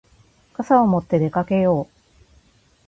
傘を持って出かけよう。